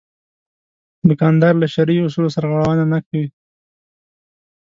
دوکاندار له شرعي اصولو سرغړونه نه کوي.